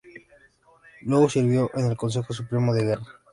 Luego sirvió en el Consejo Supremo de Guerra.